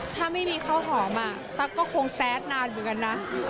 ถ้าไม่มีข้าวหอมตั๊กก็คงแซดนานเหมือนกันนะ